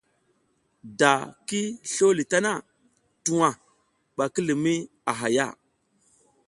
Da ki slo li tana, tuwa ɓa ki limiy a hay a.